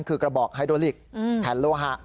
คือกระบอกไฮโดลิกแผ่นโลหะ